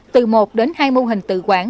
từ một đến hai mô hình tự quản